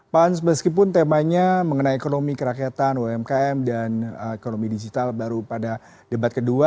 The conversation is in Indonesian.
pans meskipun temanya mengenai ekonomi kerakyatan umkm dan ekonomi digital baru pada debat kedua